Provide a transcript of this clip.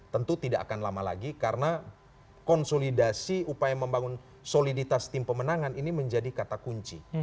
tentu tidak akan lama lagi karena konsolidasi upaya membangun soliditas tim pemenangan ini menjadi kata kunci